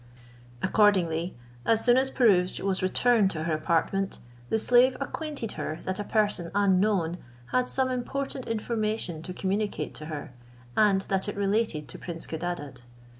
Accordingly, as soon as Pirouzč was returned to her apartment, the slave acquainted her that a person unknown had some important information to communicate to her, and that it related to prince Codadad.